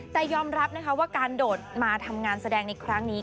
แต่ยอมรับนะคะว่าการโดดมาทำงานแสดงในครั้งนี้